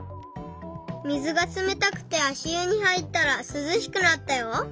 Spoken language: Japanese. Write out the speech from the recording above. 水がつめたくてあしゆにはいったらすずしくなったよ。